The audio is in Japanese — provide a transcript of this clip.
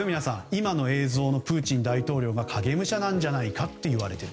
今の映像のプーチン大統領は影武者なんじゃないかといわれている。